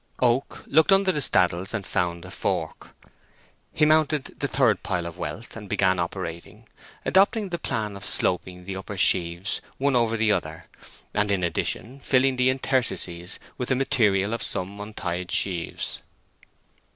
Oak looked under the staddles and found a fork. He mounted the third pile of wealth and began operating, adopting the plan of sloping the upper sheaves one over the other; and, in addition, filling the interstices with the material of some untied sheaves.